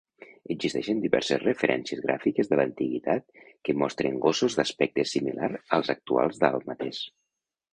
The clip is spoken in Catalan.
Existeixen diverses referències gràfiques de l'Antiguitat que mostren gossos d'aspecte similar als actuals dàlmates.